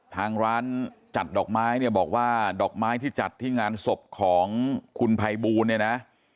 ทางร้านจัดดอกไม้เนี่ยบอกว่าดอกไม้ที่จัดที่งานศพของคุณภัยบูลเนี่ยนะ